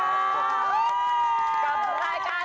สวัสดีครับ